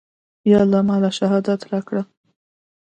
يا الله ما له شهادت راکه.